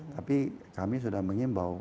tapi kami sudah mengimbau